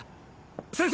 先生！